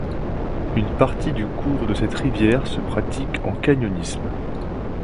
Une partie du cours de cette rivière se pratique en canyonisme.